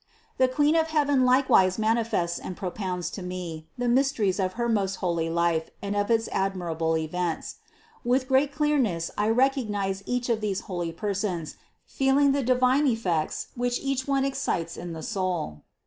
The Queen of heaven likewise manifests and propounds to me the mysteries of her most holy life and of its admirable events. With great clearness I recognize each one of these holy persons, feeling the divine effects, which each one excites in the soul.